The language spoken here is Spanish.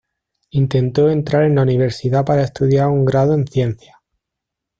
Intentó entrar en la Universidad para estudiar un grado en Ciencias.